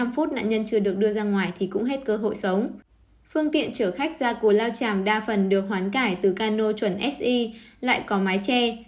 phương tiện chở khách ra của lao tràm đa phần được hoán cải từ cano chuẩn si lại có mái che